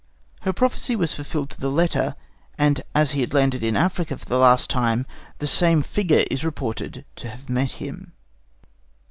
Her prophecy was fulfilled to the letter, and as he landed in Africa for the last time the same figure is reported to have met him.